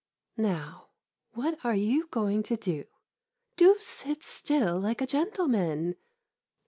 ... Now, what are you going to do. Do sit still like a gentleman.